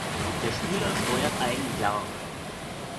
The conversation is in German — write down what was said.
Der Spieler steuert einen "Yar".